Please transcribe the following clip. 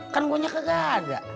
kan gue nyari ke gaga